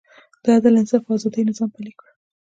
د عدل، انصاف او ازادۍ نظام پلی کړ.